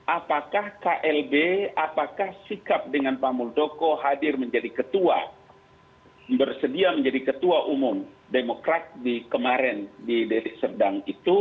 apakah klb apakah sikap dengan pak muldoko hadir menjadi ketua bersedia menjadi ketua umum demokrat di kemarin di delik serdang itu